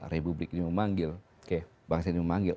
republik ini memanggil